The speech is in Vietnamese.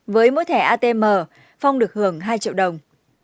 với mỗi thẻ atm phong được hưởng hai triệu đồng